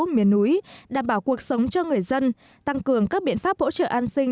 miền núi đảm bảo cuộc sống cho người dân tăng cường các biện pháp hỗ trợ an sinh